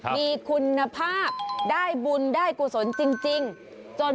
มีคุณภาพได้บุญได้กุศลจริงจน